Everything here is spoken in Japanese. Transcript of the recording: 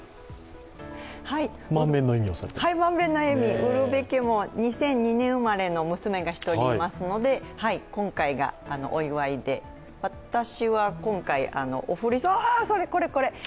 はい、満面の笑み、ウルヴェ家も２００２年生まれの娘がいますので、今回がお祝いで、私は今回これこれ！